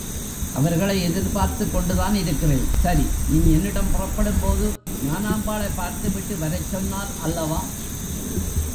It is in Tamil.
அவர்களை எதிர் பார்த்துக் கொண்டுதான் இருக்கிறேன்! சரி, நீ என்னிடம் புறப்படும்போது ஞானாம்பாளைப் பார்த்துவிட்டு வரச் சொன்னால் அல்லவா?